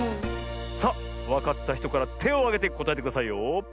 さあわかったひとからてをあげてこたえてくださいよ。